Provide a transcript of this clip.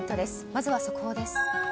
まずは速報です。